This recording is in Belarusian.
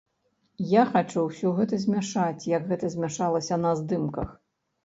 Я хачу ўсё гэта змяшаць, як гэта змяшалася на здымках.